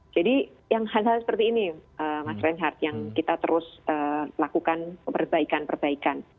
jadi yang hal hal seperti ini mas reinhardt yang kita terus lakukan perbaikan perbaikan